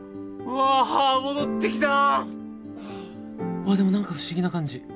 わあでもなんか不思議な感じ。